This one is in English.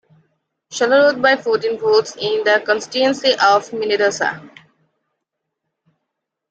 Shuttleworth by fourteen votes in the constituency of Minnedosa.